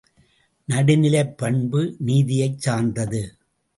நடுநிலைப் பண்பு, நீதியைச் சார்ந்தது.